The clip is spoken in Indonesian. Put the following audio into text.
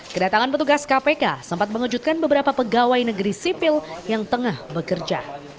kedatangan petugas kpk sempat mengejutkan beberapa pegawai negeri sipil yang tengah bekerja